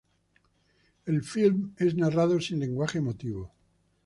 El filme es narrado sin lenguaje emotivo.